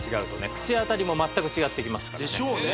口当たりも全く違ってきますでしょうね